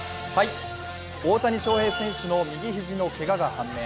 大谷翔平選手の右肘のけがが判明。